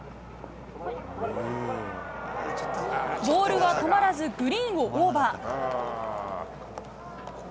ボールは止まらず、グリーンをオーバー。